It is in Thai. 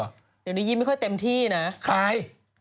เดี๋ยวนี้ยิ้มไม่ค่อยเต็มที่นะใคร